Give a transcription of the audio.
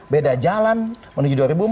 beda jalan menuju dua ribu empat belas